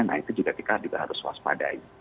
nah itu juga kita juga harus waspadai